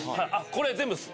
これ全部です。